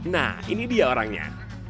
nah ini dia orangnya